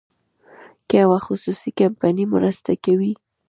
که یوه خصوصي کمپنۍ مرسته کوي.